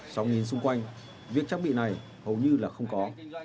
xong nhìn xung quanh việc trang bị này hầu như là không có